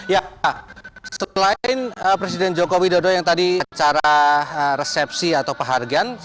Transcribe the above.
ya selain presiden jokowi dodo yang tadi acara resepsi atau pehargian